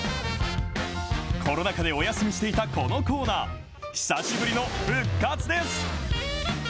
コロナ禍でお休みしていたこのコーナー、久しぶりの復活です。